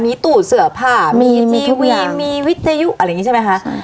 มีตูดเสื้อผ้ามีมีทุกอย่างมีวิเตยุอะไรอย่างงี้ใช่ไหมคะใช่